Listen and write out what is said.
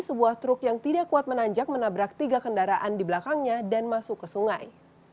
sebuah truk yang tidak kuat menanjak menabrak tiga kendaraan di belakangnya dan masuk ke sungai